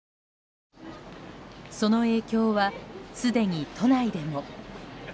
その影響は、すでに都内でも。